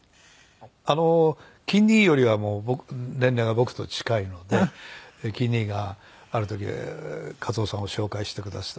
あの錦兄よりは年齢が僕と近いので錦兄がある時嘉葎雄さんを紹介してくだすって。